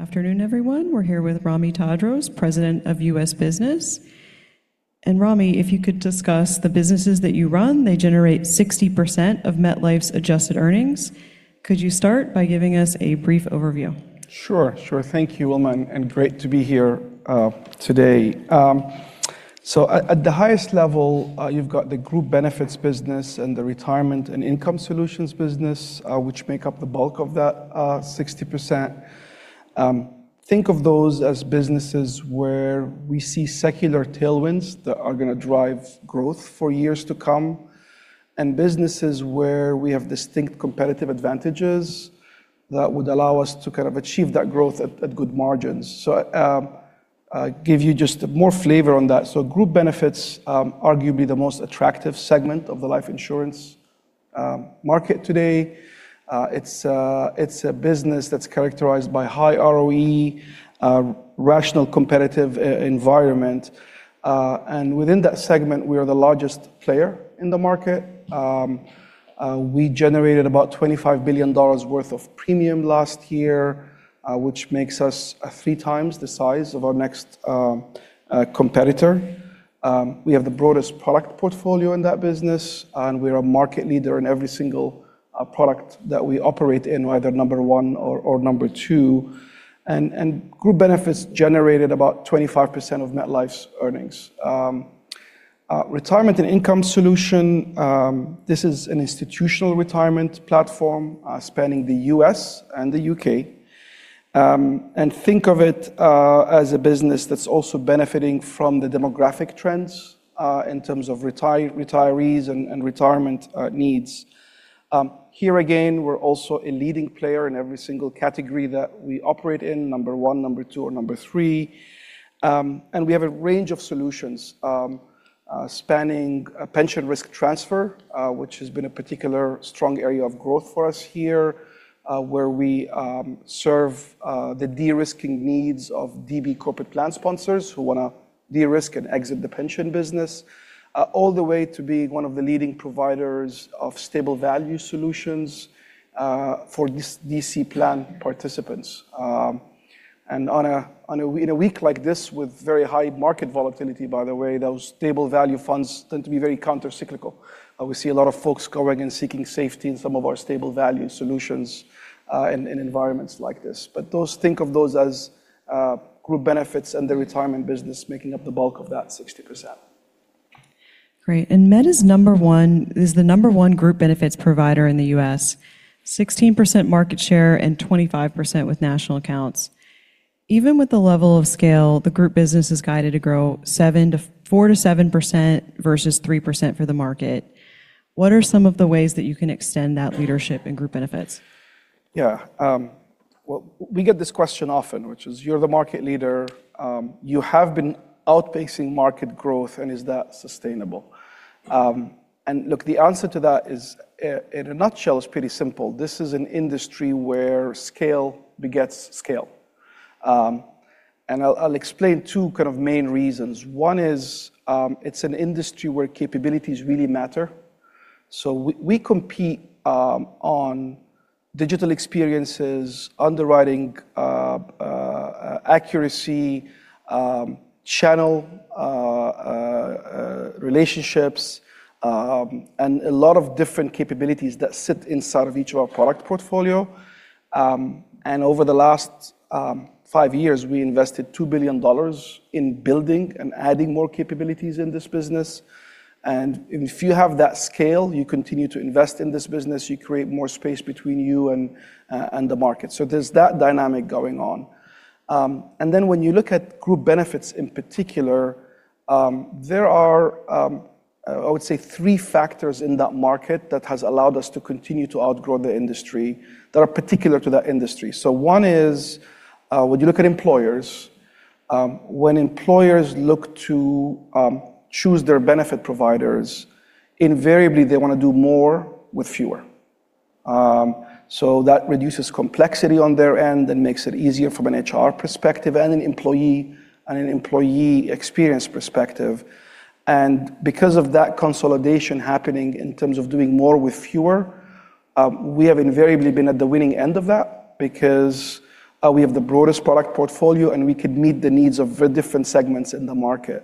Afternoon, everyone. We're here with Ramy Tadros, President of U.S. Business. Ramy, if you could discuss the businesses that you run, they generate 60% of MetLife's adjusted earnings. Could you start by giving us a brief overview? Sure. Thank you, Wilma, great to be here today. At the highest level, you've got the Group Benefits business and the Retirement and Income Solutions business, which make up the bulk of that 60%. Think of those as businesses where we see secular tailwinds that are gonna drive growth for years to come, businesses where we have distinct competitive advantages that would allow us to kind of achieve that growth at good margins. Give you just more flavor on that. Group Benefits, arguably the most attractive segment of the life insurance market today. It's a business that's characterized by high ROE, rational competitive environment. Within that segment, we are the largest player in the market. We generated about $25 billion worth of premium last year, which makes us three times the size of our next competitor. We have the broadest product portfolio in that business, and we're a market leader in every single product that we operate in, whether number one or number two. Group Benefits generated about 25% of MetLife's earnings. Retirement and Income Solutions, this is an institutional retirement platform, spanning the U.S. and the U.K. Think of it as a business that's also benefiting from the demographic trends in terms of retirees and retirement needs. Here again, we're also a leading player in every single category that we operate in, number one, number two, or number three. We have a range of solutions spanning Pension Risk Transfer, which has been a particular strong area of growth for us here, where we serve the de-risking needs of DB corporate plan sponsors who wanna de-risk and exit the pension business, all the way to being one of the leading providers of Stable Value solutions for this DC plan participants. In a week like this with very high market volatility, by the way, those Stable Value funds tend to be very countercyclical. We see a lot of folks going and seeking safety in some of our Stable Value solutions in environments like this. Think of those as Group Benefits and the Retirement business making up the bulk of that 60%. Great. Met is the number one Group Benefits provider in the U.S., 16% market share and 25% with national accounts. Even with the level of scale, the group business is guided to grow 4%-7% versus 3% for the market. What are some of the ways that you can extend that leadership in Group Benefits? Yeah. Well, we get this question often, which is you're the market leader, you have been outpacing market growth, and is that sustainable? Look, the answer to that is in a nutshell is pretty simple. This is an industry where scale begets scale. I'll explain two kind of main reasons. One is, it's an industry where capabilities really matter. We compete on digital experiences, underwriting accuracy, channel relationships, and a lot of different capabilities that sit inside of each of our product portfolio. Over the last five years, we invested $2 billion in building and adding more capabilities in this business. If you have that scale, you continue to invest in this business, you create more space between you and the market. There's that dynamic going on. When you look at Group Benefits in particular, there are, I would say three factors in that market that has allowed us to continue to outgrow the industry that are particular to that industry. One is, when you look at employers, when employers look to choose their benefit providers, invariably they wanna do more with fewer. That reduces complexity on their end and makes it easier from an HR perspective and an employee experience perspective. Because of that consolidation happening in terms of doing more with fewer, we have invariably been at the winning end of that because we have the broadest product portfolio, and we could meet the needs of very different segments in the market.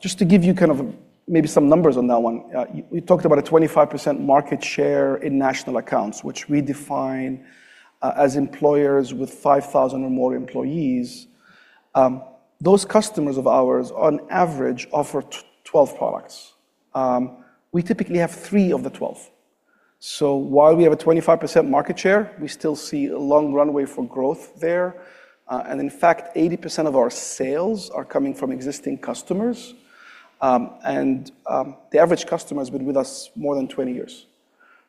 Just to give you kind of maybe some numbers on that one. We talked about a 25% market share in national accounts, which we define as employers with 5,000 or more employees. Those customers of ours on average offer 12 products. We typically have three of the 12. While we have a 25% market share, we still see a long runway for growth there. In fact, 80% of our sales are coming from existing customers, and the average customer has been with us more than 20 years.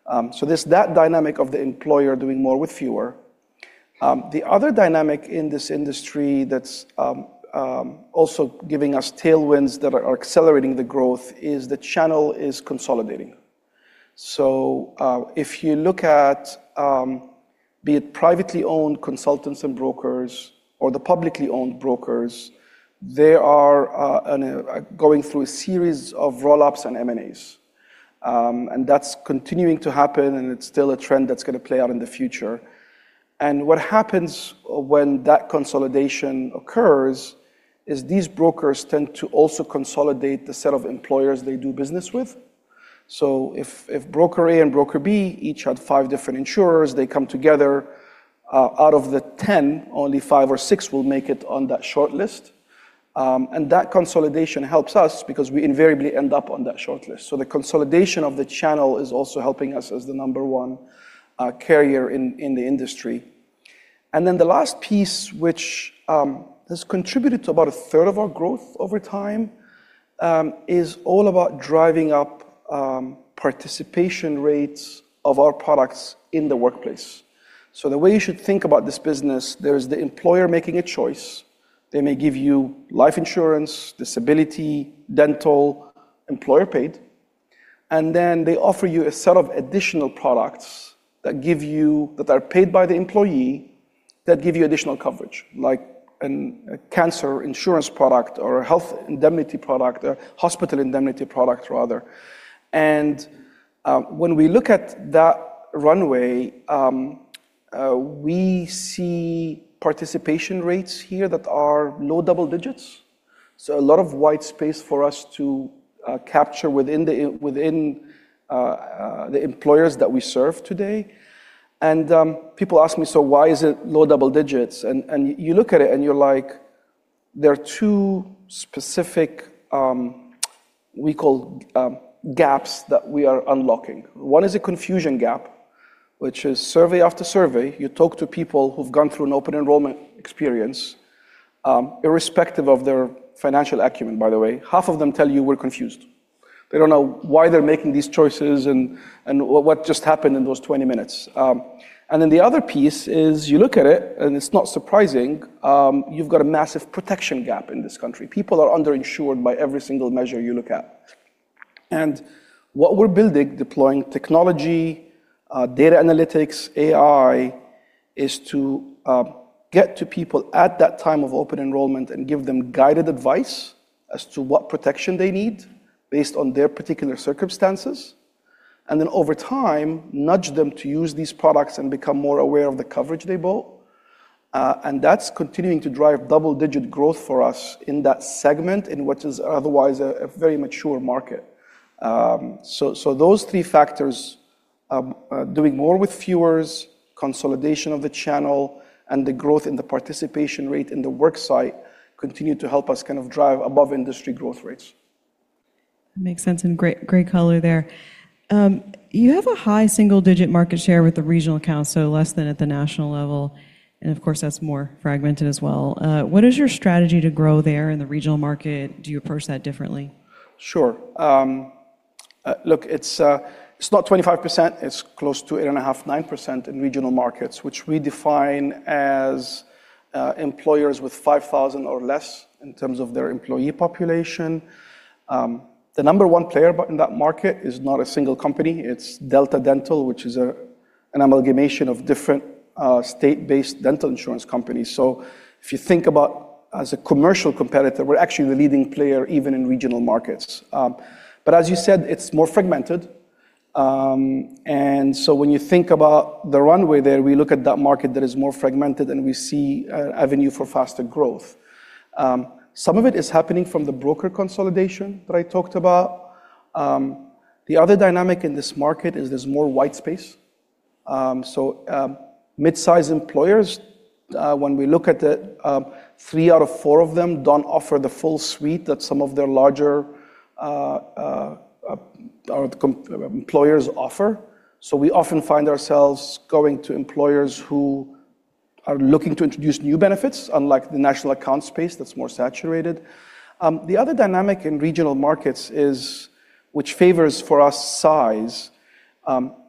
That dynamic of the employer doing more with fewer. The other dynamic in this industry that's also giving us tailwinds that are accelerating the growth is the channel is consolidating. If you look at, be it privately owned consultants and brokers or the publicly owned brokers, they are going through a series of roll-ups and M&As. That's continuing to happen, and it's still a trend that's gonna play out in the future. What happens when that consolidation occurs is these brokers tend to also consolidate the set of employers they do business with. If broker A and broker B each had five different insurers, they come together, out of the 10, only five or six will make it on that shortlist. That consolidation helps us because we invariably end up on that shortlist. The consolidation of the channel is also helping us as the number one carrier in the industry. The last piece, which has contributed to about a third of our growth over time, is all about driving up participation rates of our products in the workplace. The way you should think about this business, there's the employer making a choice. They may give you life insurance, disability, dental, employer-paid, and then they offer you a set of additional products that are paid by the employee that give you additional coverage, like a Cancer Insurance product or a health indemnity product, a Hospital Indemnity product rather. When we look at that runway, we see participation rates here that are low double digits. A lot of white space for us to capture within the employers that we serve today. People ask me, "So why is it low double digits?" You look at it, and you're like, there are two specific, we call, gaps that we are unlocking. One is a confusion gap, which is survey after survey, you talk to people who've gone through an open enrollment experience, irrespective of their financial acumen, by the way. Half of them tell you, "We're confused." They don't know why they're making these choices and what just happened in those 20 minutes. Then the other piece is you look at it, and it's not surprising, you've got a massive protection gap in this country. People are underinsured by every single measure you look at. What we're building, deploying technology, data analytics, AI, is to get to people at that time of open enrollment and give them guided advice as to what protection they need based on their particular circumstances. Over time, nudge them to use these products and become more aware of the coverage they bought. That's continuing to drive double-digit growth for us in that segment in what is otherwise a very mature market. So those three factors, doing more with fewer, consolidation of the channel, and the growth in the participation rate in the work site continue to help us kind of drive above industry growth rates. That makes sense. Great, great color there. You have a high single-digit market share with the regional accounts, so less than at the national level, and of course, that's more fragmented as well. What is your strategy to grow there in the regional market? Do you approach that differently? Sure. Look, it's not 25%. It's close to 8.5%-9% in regional markets, which we define as employers with 5,000 or less in terms of their employee population. The number one player in that market is not a single company. It's Delta Dental, which is a, an amalgamation of different state-based dental insurance companies. So if you think about as a commercial competitor, we're actually the leading player even in regional markets. As you said, it's more fragmented. When you think about the runway there, we look at that market that is more fragmented, and we see a avenue for faster growth. Some of it is happening from the broker consolidation that I talked about. The other dynamic in this market is there's more white space. Midsize employers, when we look at it, three out of four of them don't offer the full suite that some of their larger employers offer. We often find ourselves going to employers who are looking to introduce new benefits, unlike the national account space that's more saturated. The other dynamic in regional markets is, which favors for us size,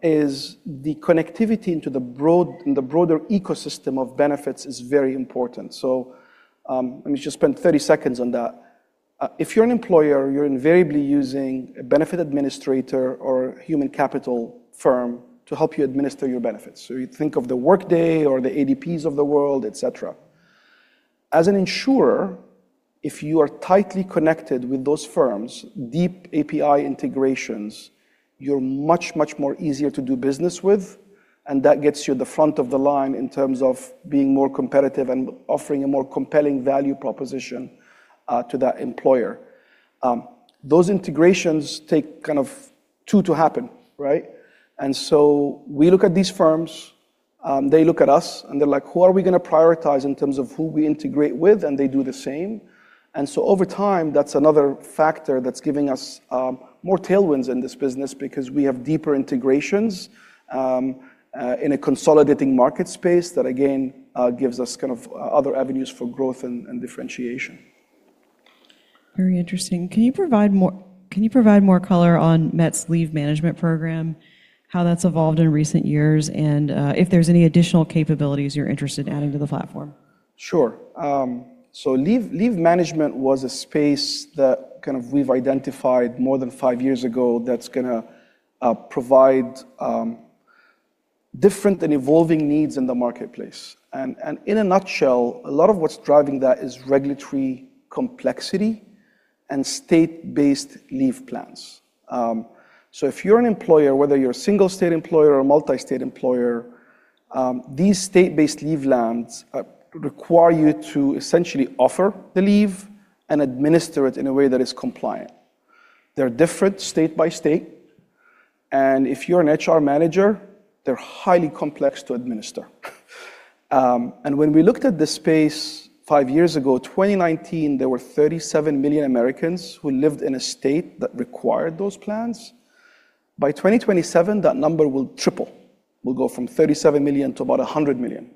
is the connectivity into the broader ecosystem of benefits is very important. Let me just spend 30 seconds on that. If you're an employer, you're invariably using a benefit administrator or human capital firm to help you administer your benefits. You think of the Workday or the ADPs of the world, et cetera. As an insurer, if you are tightly connected with those firms, deep API integrations, you're much more easier to do business with, and that gets you the front of the line in terms of being more competitive and offering a more compelling value proposition to that employer. Those integrations take kind of two to happen, right? We look at these firms, they look at us, and they're like, "Who are we gonna prioritize in terms of who we integrate with?" They do the same. Over time, that's another factor that's giving us more tailwinds in this business because we have deeper integrations in a consolidating market space that again, gives us kind of other avenues for growth and differentiation. Very interesting. Can you provide more color on Met's Leave Management program, how that's evolved in recent years, and if there's any additional capabilities you're interested in adding to the platform? Sure. Leave Management was a space that kind of we've identified more than five years ago that's gonna provide different and evolving needs in the marketplace. In a nutshell, a lot of what's driving that is regulatory complexity and state-based leave plans. If you're an employer, whether you're a single state employer or a multi-state employer, these state-based leave plans require you to essentially offer the leave and administer it in a way that is compliant. They're different state by state, and if you're an HR manager, they're highly complex to administer. When we looked at this space five years ago, 2019, there were 37 million Americans who lived in a state that required those plans. By 2027, that number will triple. We'll go from 37 million to about 100 million.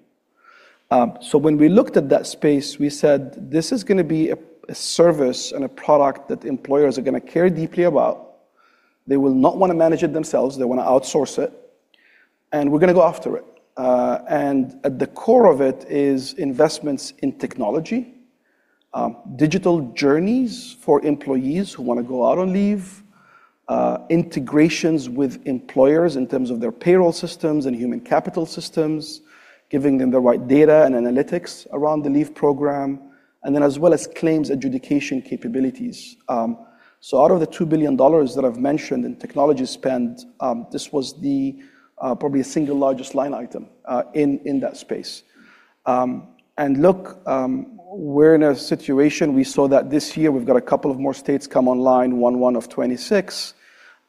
When we looked at that space, we said, "This is gonna be a service and a product that employers are gonna care deeply about. They will not wanna manage it themselves. They wanna outsource it, and we're gonna go after it." At the core of it is investments in technology, digital journeys for employees who wanna go out on leave, integrations with employers in terms of their payroll systems and human capital systems, giving them the right data and analytics around the leave program, and then as well as claims adjudication capabilities. Out of the $2 billion that I've mentioned in technology spend, this was the probably the single largest line item in that space. Look, we're in a situation we saw that this year we've got a couple of more states come online, 1/1/26,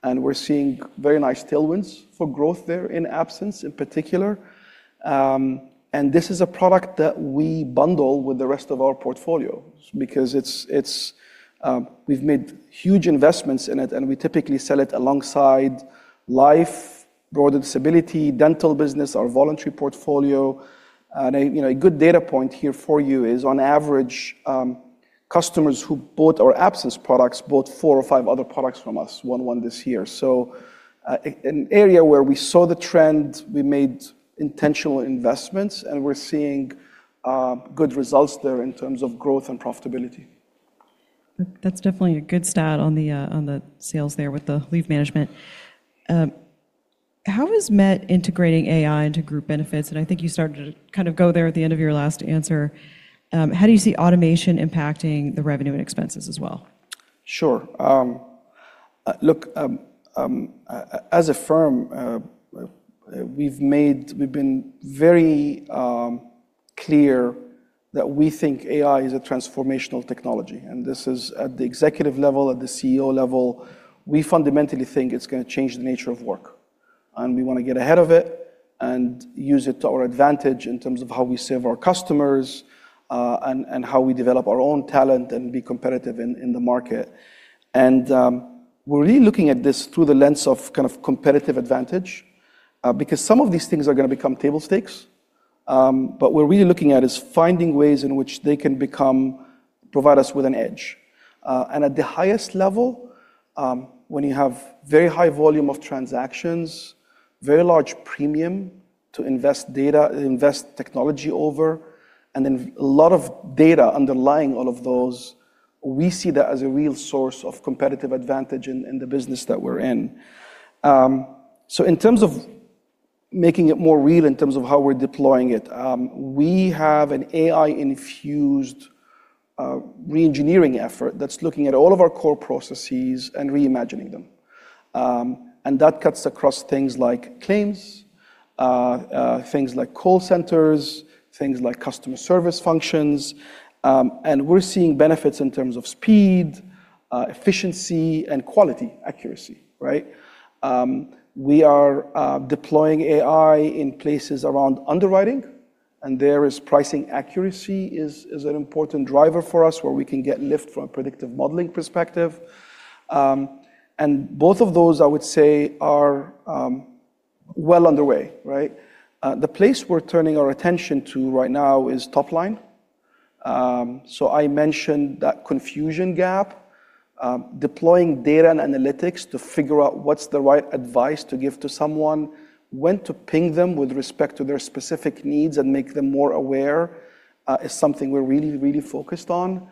and we're seeing very nice tailwinds for growth there in Leave Management in particular. This is a product that we bundle with the rest of our portfolio because it's, we've made huge investments in it, and we typically sell it alongside life, broader disability, dental business, our voluntary portfolio. A, you know, a good data point here for you is on average, customers who bought our absence products bought four or five other products from us, one won this year. That's definitely a good stat on the on the sales there with the Leave Management. How is Met integrating AI into Group Benefits? I think you started to kind of go there at the end of your last answer. How do you see automation impacting the revenue and expenses as well? Sure. Look, as a firm, we've been very clear that we think AI is a transformational technology, and this is at the executive level, at the CEO level. We fundamentally think it's gonna change the nature of work, and we wanna get ahead of it and use it to our advantage in terms of how we serve our customers, and how we develop our own talent and be competitive in the market. We're really looking at this through the lens of kind of competitive advantage, because some of these things are gonna become table stakes. What we're really looking at is finding ways in which they can provide us with an edge. At the highest level, when you have very high volume of transactions, very large premium to invest data, invest technology over, and then a lot of data underlying all of those, we see that as a real source of competitive advantage in the business that we're in. In terms of making it more real in terms of how we're deploying it, we have an AI-infused reengineering effort that's looking at all of our core processes and reimagining them. That cuts across things like claims, things like call centers, things like customer service functions, and we're seeing benefits in terms of speed, efficiency, and quality accuracy, right? We are deploying AI in places around underwriting, and there is pricing accuracy is an important driver for us where we can get lift from a predictive modeling perspective. Both of those I would say are well underway, right? The place we're turning our attention to right now is top line. I mentioned that confusion gap. Deploying data and analytics to figure out what's the right advice to give to someone, when to ping them with respect to their specific needs and make them more aware is something we're really focused on.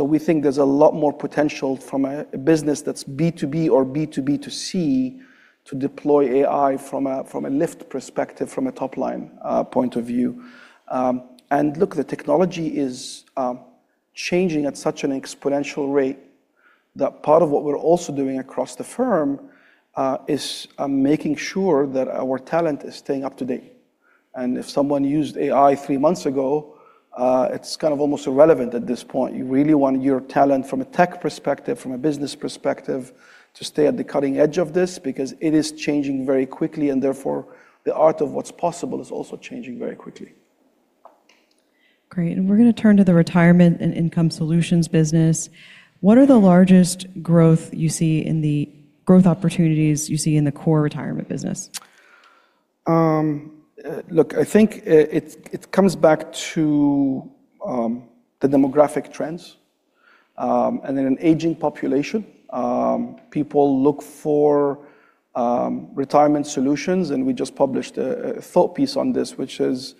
We think there's a lot more potential from a business that's B2B or B2B2C to deploy AI from a lift perspective, from a top-line point of view. Look, the technology is changing at such an exponential rate that part of what we're also doing across the firm is making sure that our talent is staying up to date. If someone used AI three months ago, it's kind of almost irrelevant at this point. You really want your talent from a tech perspective, from a business perspective to stay at the cutting edge of this because it is changing very quickly, and therefore the art of what's possible is also changing very quickly. Great. We're gonna turn to the Retirement and Income Solutions business. What are the largest growth you see in the growth opportunities you see in the core retirement business? Look, I think it comes back to the demographic trends and then an aging population. People look for retirement solutions, and we just published a thought piece on this, which is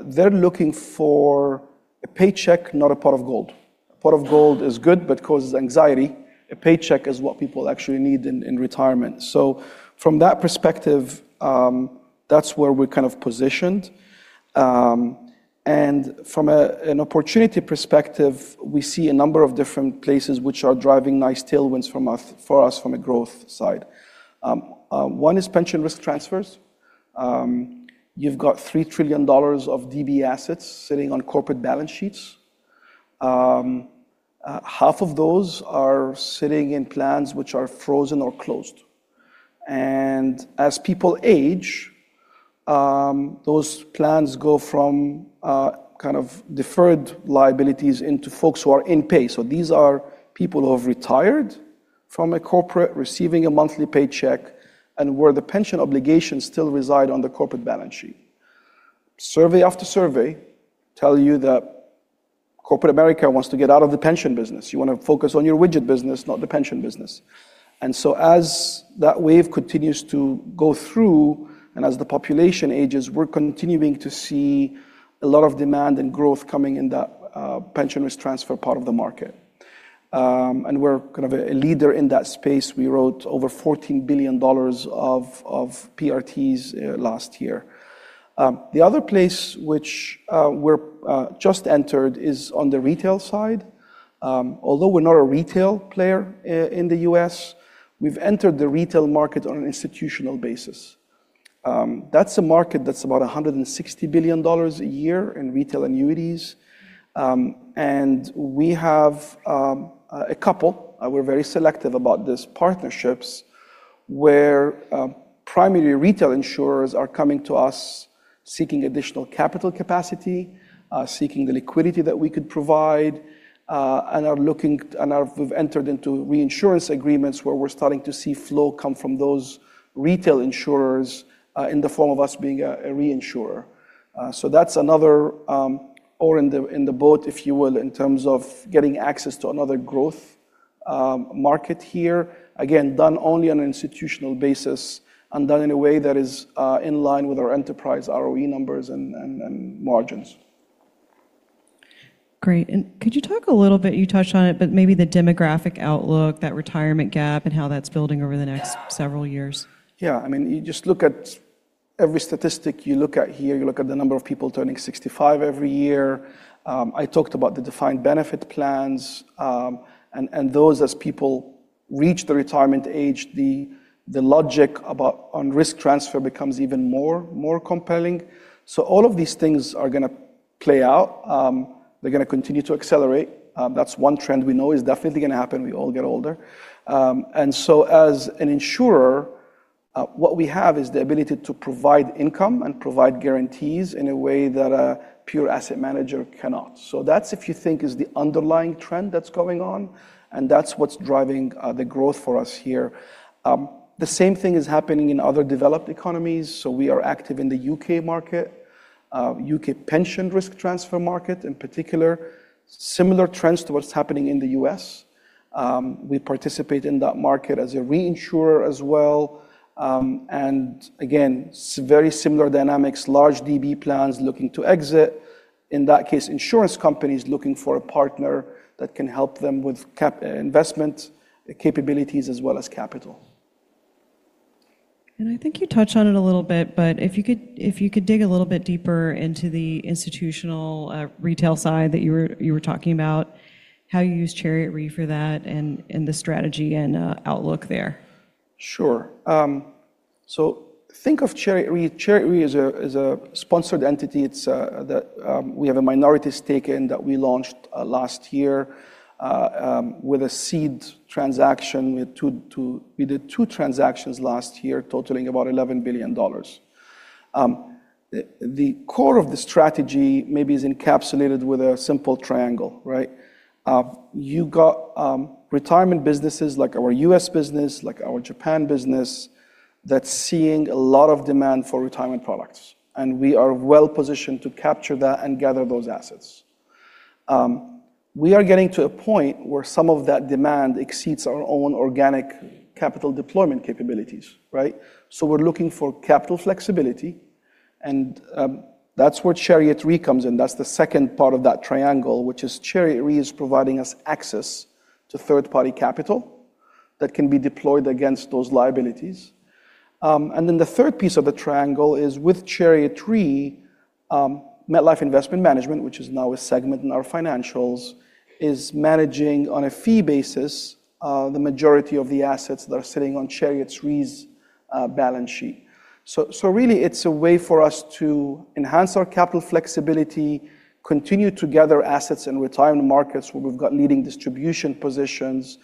they're looking for a paycheck, not a pot of gold. A pot of gold is good but causes anxiety. A paycheck is what people actually need in retirement. From that perspective, that's where we're kind of positioned. And from an opportunity perspective, we see a number of different places which are driving nice tailwinds for us from a growth side. One is Pension Risk Transfers. You've got $3 trillion of DB assets sitting on corporate balance sheets. Half of those are sitting in plans which are frozen or closed. As people age, those plans go from kind of deferred liabilities into folks who are in pay. These are people who have retired from a corporate, receiving a monthly paycheck, and where the pension obligations still reside on the corporate balance sheet. Survey after survey tell you that corporate America wants to get out of the pension business. You wanna focus on your widget business, not the pension business. As that wave continues to go through and as the population ages, we're continuing to see a lot of demand and growth coming in that Pension Risk Transfer part of the market. We're kind of a leader in that space. We wrote over $14 billion of PRTs last year. The other place which we're just entered is on the retail side. Although we're not a retail player in the U.S., we've entered the retail market on an institutional basis. That's a market that's about $160 billion a year in retail annuities. And we have a couple, we're very selective about these partnerships, where primary retail insurers are coming to us seeking additional capital capacity, seeking the liquidity that we could provide, and now we've entered into reinsurance agreements where we're starting to see flow come from those retail insurers, in the form of us being a reinsurer. That's another oar in the, in the boat, if you will, in terms of getting access to another growth market here. Again, done only on an institutional basis and done in a way that is in line with our enterprise ROE numbers and margins. Great. Could you talk a little bit, you touched on it, but maybe the demographic outlook, that retirement gap, and how that's building over the next several years? Yeah. I mean, you just look at every statistic you look at here, you look at the number of people turning 65 every year. I talked about the defined benefit plans, and those as people reach the retirement age, the logic about on Risk Transfer becomes even more compelling. All of these things are gonna play out. They're gonna continue to accelerate. That's one trend we know is definitely gonna happen. We all get older. And so as an insurer, what we have is the ability to provide income and provide guarantees in a way that a pure asset manager cannot. That's if you think is the underlying trend that's going on, and that's what's driving the growth for us here. The same thing is happening in other developed economies, so we are active in the U.K. market, U.K. Pension Risk Transfer market in particular. Similar trends to what's happening in the U.S. We participate in that market as a reinsurer as well. Again, very similar dynamics, large DB plans looking to exit. In that case, insurance companies looking for a partner that can help them with investment capabilities as well as capital. I think you touched on it a little bit, but if you could dig a little bit deeper into the institutional retail side that you were talking about, how you use Chariot Re for that and the strategy and outlook there. Sure. Think of Chariot Re. Chariot Re is a sponsored entity. It's that we have a minority stake in that we launched last year with a seed transaction. We did two transactions last year totaling about $11 billion. The core of the strategy maybe is encapsulated with a simple triangle, right? You got retirement businesses like our U.S. business, like our Japan business, that's seeing a lot of demand for retirement products, and we are well-positioned to capture that and gather those assets. We are getting to a point where some of that demand exceeds our own organic capital deployment capabilities, right? We're looking for capital flexibility, and that's where Chariot Re comes in. That's the second part of that triangle, which is Chariot Re is providing us access to third-party capital that can be deployed against those liabilities. The third piece of the triangle is with Chariot Re, MetLife Investment Management, which is now a segment in our financials, is managing on a fee basis, the majority of the assets that are sitting on Chariot Re's balance sheet. Really, it's a way for us to enhance our capital flexibility, continue to gather assets in retirement markets where we've got leading distribution positions,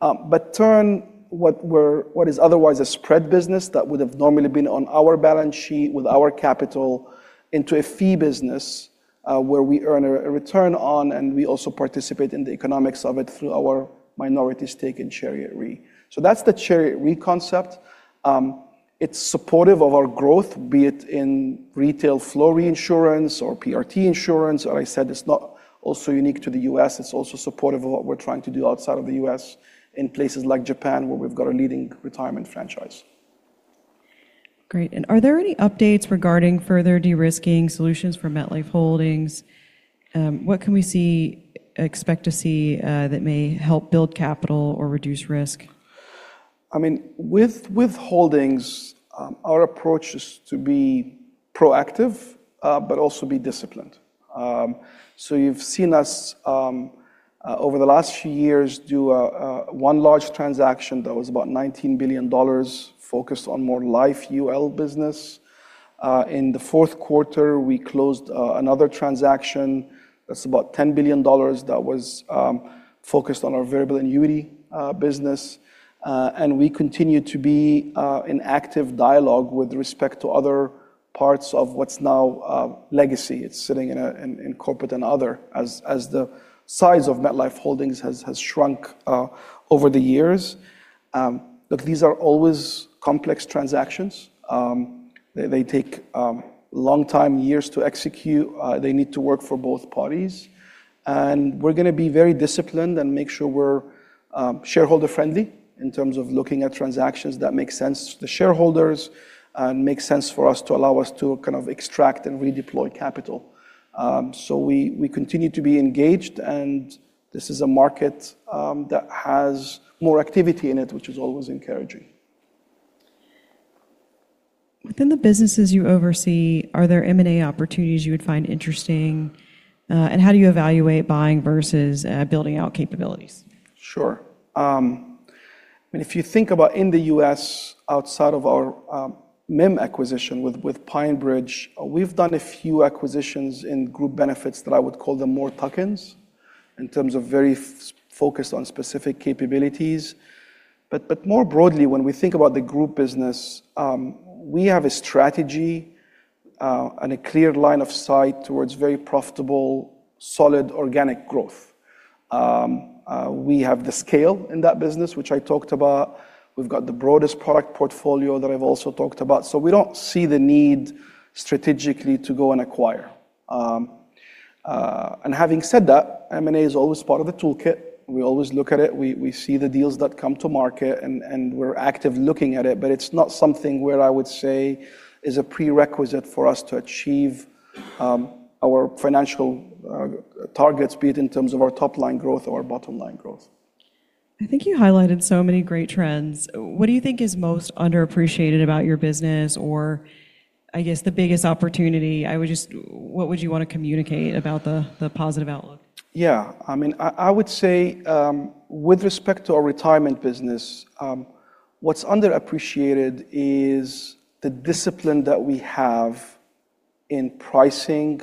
but turn what is otherwise a spread business that would have normally been on our balance sheet with our capital into a fee business, where we earn a return on, and we also participate in the economics of it through our minority stake in Chariot Re. That's the Chariot Re concept. It's supportive of our growth, be it in retail flow reinsurance or PRT insurance, or I said it's not also unique to the U.S., it's also supportive of what we're trying to do outside of the U.S. in places like Japan, where we've got a leading retirement franchise. Great. Are there any updates regarding further de-risking solutions for MetLife Holdings? What can we expect to see that may help build capital or reduce risk? I mean, with Holdings, our approach is to be proactive, but also be disciplined. You've seen us over the last few years do one large transaction that was about $19 billion focused on more life UL business. In the fourth quarter, we closed another transaction that's about $10 billion that was focused on our variable annuity business. We continue to be in active dialogue with respect to other parts of what's now legacy. It's sitting in corporate and other, as the size of MetLife Holdings has shrunk over the years. These are always complex transactions. They take long time, years to execute. They need to work for both parties. We're gonna be very disciplined and make sure we're shareholder-friendly in terms of looking at transactions that make sense to the shareholders and make sense for us to allow us to kind of extract and redeploy capital. We, we continue to be engaged, and this is a market that has more activity in it, which is always encouraging. Within the businesses you oversee, are there M&A opportunities you would find interesting? How do you evaluate buying versus building out capabilities? Sure. I mean, if you think about in the U.S., outside of our MIM acquisition with PineBridge, we've done a few acquisitions in Group Benefits that I would call them more tuck-ins in terms of very focused on specific capabilities. More broadly, when we think about the group business, we have a strategy and a clear line of sight towards very profitable, solid organic growth. We have the scale in that business, which I talked about. We've got the broadest product portfolio that I've also talked about. We don't see the need strategically to go and acquire. Having said that, M&A is always part of the toolkit. We always look at it. We see the deals that come to market and we're active looking at it, but it's not something where I would say is a prerequisite for us to achieve our financial targets, be it in terms of our top-line growth or our bottom-line growth. I think you highlighted so many great trends. What do you think is most underappreciated about your business, or I guess the biggest opportunity? What would you wanna communicate about the positive outlook? Yeah. I mean, I would say, with respect to our retirement business, what's underappreciated is the discipline that we have in pricing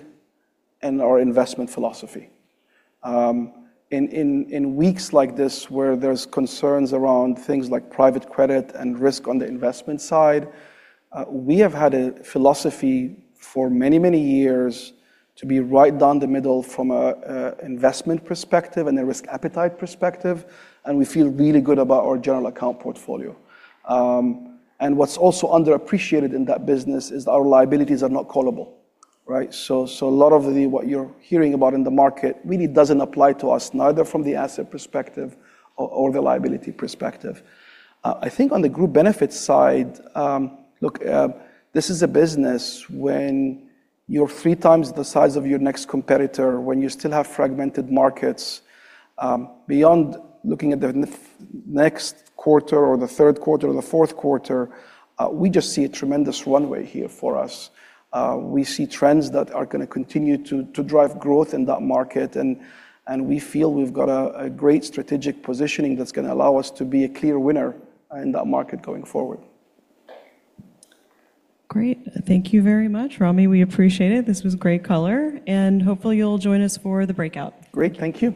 and our investment philosophy. In weeks like this where there's concerns around things like private credit and risk on the investment side, we have had a philosophy for many, many years to be right down the middle from a investment perspective and a risk appetite perspective, and we feel really good about our general account portfolio. And what's also underappreciated in that business is our liabilities are not callable, right? So, a lot of the, what you're hearing about in the market really doesn't apply to us, neither from the asset perspective or the liability perspective. I think on the Group Benefits side, this is a business when you're 3x the size of your next competitor, when you still have fragmented markets, beyond looking at the next quarter or the third quarter or the fourth quarter, we just see a tremendous runway here for us. We see trends that are gonna continue to drive growth in that market and we feel we've got a great strategic positioning that's gonna allow us to be a clear winner in that market going forward. Great. Thank you very much, Ramy. We appreciate it. This was great color, and hopefully, you'll join us for the breakout. Great. Thank you.